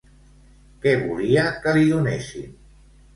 Què volia que li donessin?